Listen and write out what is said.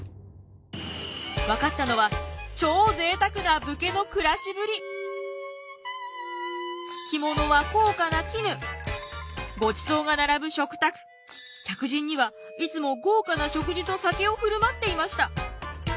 分かったのは着物は高価な絹ごちそうが並ぶ食卓客人にはいつも豪華な食事と酒を振る舞っていました。